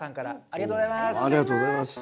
ありがとうございます。